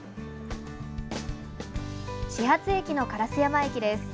始発駅の烏山駅です。